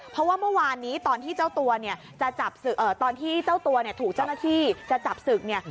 เพราะว่าเมื่อวานนี้ตอนที่เจ้าตัวถูกเจ้าหน้าที่จะจับศึก